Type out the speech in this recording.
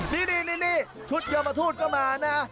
นี่ชุดยมทูตก็มานะ